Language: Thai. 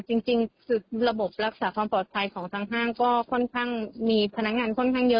จริงระบบรักษาความปลอดภัยของทางห้างก็ค่อนข้างมีพนักงานค่อนข้างเยอะ